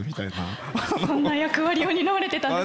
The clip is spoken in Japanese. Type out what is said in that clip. そんな役割を担われてたんですか。